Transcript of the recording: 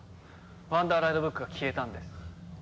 ワンダーライドブックが消えたんです。